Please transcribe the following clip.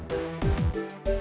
tolong bangun ya